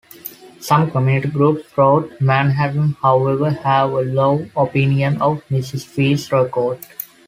Some community groups throughout Manhattan, however, have a low opinion of Ms. Fields' record.